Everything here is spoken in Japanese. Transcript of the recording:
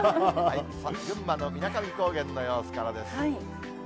さあ、群馬の水上高原の様子からです。